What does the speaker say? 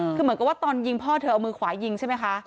คือเหมือนกับว่าตอนยิงพ่อเธอเอามือขวายิงใช่ไหมคะ